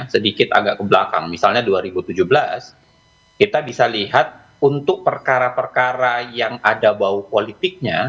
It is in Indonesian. sedikit agak ke belakang misalnya dua ribu tujuh belas kita bisa lihat untuk perkara perkara yang ada bau politiknya